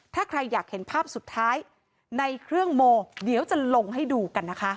ถ้าใครอยากเห็นภาพสุดท้ายในเครื่องโมเดี๋ยวจะลงให้ดูกันนะคะ